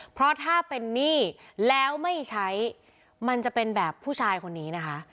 เพราะถ้าเป็นหนี้แล้วไม่ใช้มันจะเป็นแบบผู้ชายคนนี้นะคะ